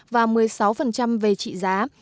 và một mươi sáu về trị giá